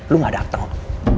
lo gak dateng